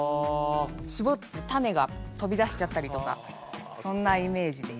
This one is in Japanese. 搾ってタネが飛び出しちゃったりとかそんなイメージです。